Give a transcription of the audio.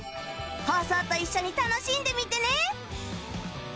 放送と一緒に楽しんでみてね